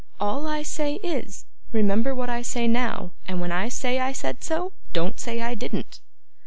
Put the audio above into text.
All I say is, remember what I say now, and when I say I said so, don't say I didn't.